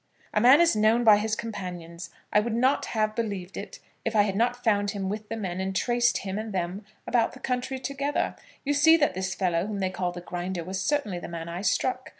"A man is known by his companions. I would not have believed it if I had not found him with the men, and traced him and them about the county together. You see that this fellow whom they call the Grinder was certainly the man I struck.